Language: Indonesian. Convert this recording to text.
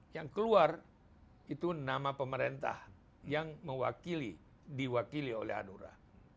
yang keluar itu nama pemerintah yang mewakili diwakili oleh hanura